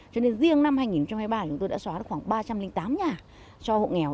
cho nên riêng năm hai nghìn hai mươi ba chúng tôi đã xóa được khoảng ba trăm linh tám nhà cho hộ nghèo